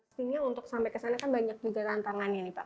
sebenarnya untuk sampai kesana kan banyak juga tantangannya nih pak